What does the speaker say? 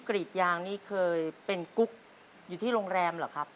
กรีดยางนี่เคยเป็นกุ๊กอยู่ที่โรงแรมเหรอครับ